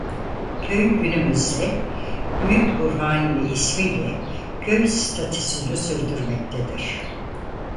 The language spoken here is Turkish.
Köy günümüzde Büyükburhaniye ismiyle köy statüsünü sürdürmektedir.